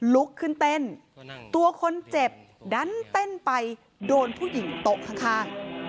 ลุกขึ้นเต้นตัวคนเจ็บดันเต้นไปโดนผู้หญิงโต๊ะข้าง